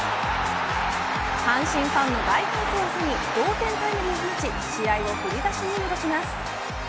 阪神ファンの大歓声を背に同点タイムリーを放ち試合を振り出しに戻します。